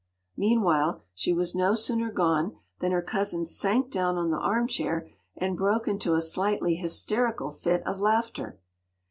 ” Meanwhile, she was no sooner gone than her cousin sank down on the armchair, and broke into a slightly hysterical fit of laughter.